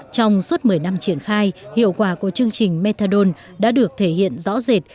trong suốt một mươi năm triển khai hiệu quả của chương trình methadone đã được thể hiện rõ rệt